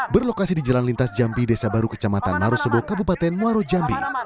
berlokasi di jalan lintas jambi desa baru kecamatan marosebo kabupaten muarujambi